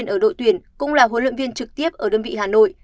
ở đội tuyển cũng là huấn luyện viên trực tiếp ở đơn vị hà nội